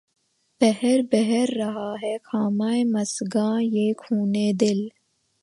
پهر بهر رہا ہے خامہ مژگاں، بہ خونِ دل